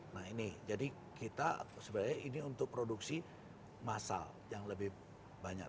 nah ini jadi kita sebenarnya ini untuk produksi massal yang lebih banyak